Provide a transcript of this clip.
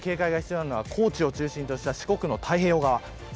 特に、大雨警戒が必要なのは高知を中心とした四国の太平洋側。